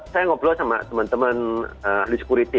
saya ngobrol sama teman teman ahli security